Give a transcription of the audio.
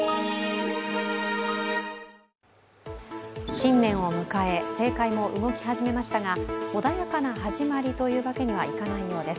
新年を迎え、政界も動き始めましたが穏やかな始まりというわけにはいかないようです。